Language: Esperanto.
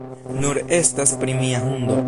Nur estas pri mia hundo.